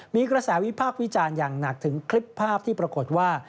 มีกระแสวิพากษ์วิจารณ์อย่างหนักถึงคลิปภาพที่ปรากฏว่า